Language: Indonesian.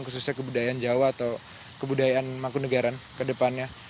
khususnya kebudayaan jawa atau kebudayaan mangkunegaran ke depannya